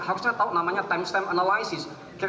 harusnya tahu namanya timestamp analysis